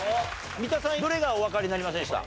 三田さんどれがおわかりになりませんでした？